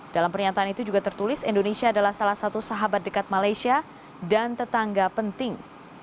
dalam pernyataan itu juga tertulis indonesia adalah salah satu sahabat dekat malaysia dan tetangga penting